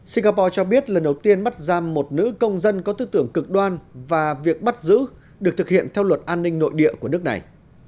singapore cho biết lần đầu tiên bắt giam một nữ công dân có tư tưởng cực đoan và việc bắt giữ được thực hiện theo luật an ninh nội địa của nước này